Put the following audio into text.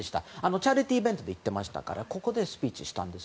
チャリティーイベントに行っていましたからここでスピーチしたんです。